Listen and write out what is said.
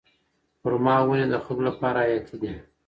خورما ونې د خلکو لپاره حیاتي دي.